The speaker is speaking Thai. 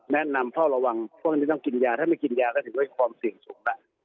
แนะนำเพราะระวังพวกนี้ต้องกินยาถ้าไม่กินยาก็ถึงมีความเสี่ยงสูงนะ